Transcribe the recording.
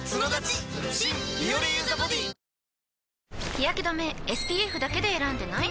日やけ止めＳＰＦだけで選んでない？